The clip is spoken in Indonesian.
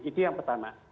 itu yang pertama